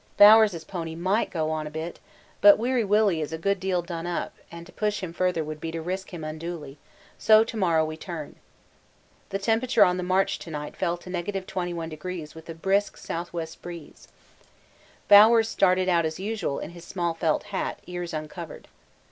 Bowers' pony might go on a bit, but Weary Willy is a good deal done up, and to push him further would be to risk him unduly, so to morrow we turn. The temperature on the march to night fell to 21° with a brisk S.W. breeze. Bowers started out as usual in his small felt hat, ears uncovered.